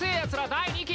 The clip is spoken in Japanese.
第２期！